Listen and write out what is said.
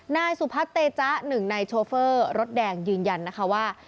นายสุพัฒน์เตจ๊ะหนึ่งในโชเฟอร์รถแดงยืนยันนะคะว่า